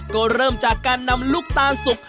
ก็เริ่มจากการนำลูกตาลสุก